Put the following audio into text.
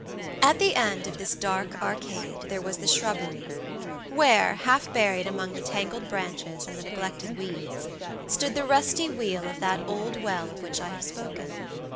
At the end of this dark arcade there was the shrubbery, where, half buried among the tangled branches and the neglected weeds, stood the rusty wheel of that old well of which I have spoken.